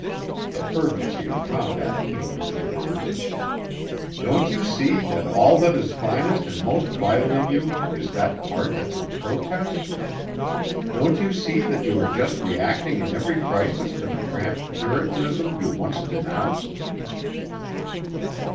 The fervency of combat came with his words. "Don't you see that all that is finest and most vital in you, is that part that's in protest? Don't you see that you are just reacting in every crisis to the cramped puritanism you once denounced?"